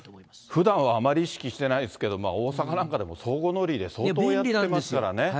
ふだんはあまり意識してないですけど、大阪なんかでも相互乗り入れ、相当やってますからね。